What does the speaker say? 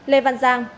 lê văn giang